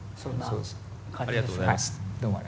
ありがとうございます。